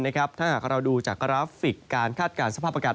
ถ้าหากเราดูจากกราฟิกการคาดการณ์สภาพอากาศ